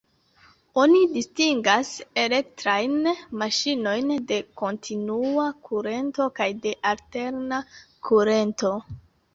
Oni distingas elektrajn maŝinojn de kontinua kurento kaj de alterna kurento.